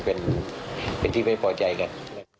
เป็นที่ไม่พอใจกัน